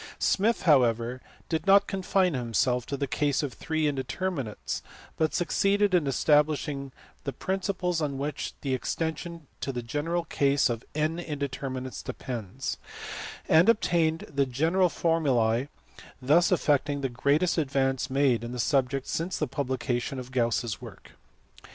Smith, however, did not confine himself to the case of three indeterminates, but succeeded in establishing the principles on which the extension to the general case of n indeterminates depends, and obtained the general formulae ; thus effecting the greatest advance made in the subject since the publication of Gauss s work.